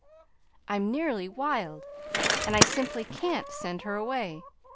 I'm nearly wild and I simply can't send her away.